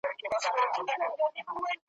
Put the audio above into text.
معلم وپوښتی حکمت په زنګوله کي `